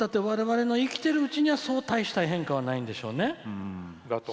われわれの生きているうちにはそう、たいした変化はないんでしょうね。